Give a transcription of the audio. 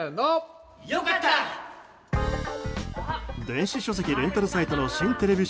電子書籍レンタルサイトの新テレビ